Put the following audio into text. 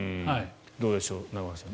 どうでしょう、真壁さん。